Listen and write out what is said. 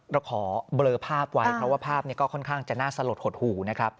เราขอเบลอภาพไว้เพราะว่าภาพนี้ก็ค่อนข้างจะน่าสลดหดหูนะครับ